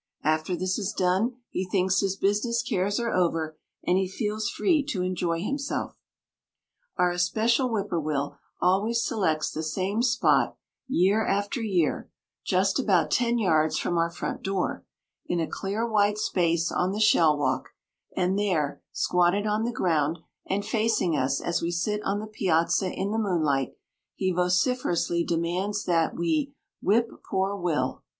After this is done he thinks his business cares are over, and he feels free to enjoy himself. Our especial whippoorwill always selects the same spot, year after year, just about ten yards from our front door, in a clear white space on the shell walk, and there, squatted on the ground and facing us as we sit on the piazza in the moonlight, he vociferously demands that we "whip poor Will."